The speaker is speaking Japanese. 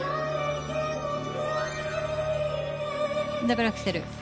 ダブルアクセル。